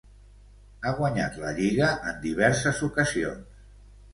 Ha guanyat la lliga en diverses ocasions.